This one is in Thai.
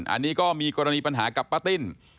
อันนี้ก็มีกรณีปัญหากับป้าติ้น